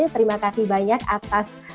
terima kasih banyak atas